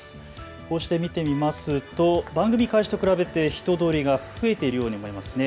こうして見てみますと番組開始と比べて人通りが増えているように見えますね。